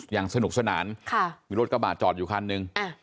อย่างสนุกสนานมีรถกระบาดจอดอยู่คันหนึ่ง